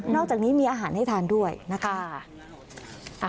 อกจากนี้มีอาหารให้ทานด้วยนะคะ